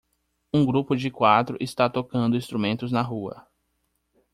Um grupo de quatro está tocando instrumentos na rua